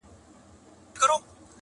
ستا د غلیم په ویر به وکاږي ارمان وطنه -